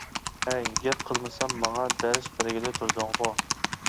-ھەي، گەپ قىلمىسام ماڭا دەرس بەرگىلى تۇردۇڭغۇ.